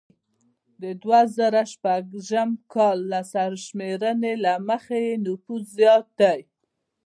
د دوه زره شپږم کال د سرشمیرنې له مخې یې نفوس زیات دی